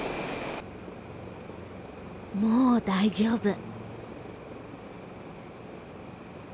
もう大丈夫。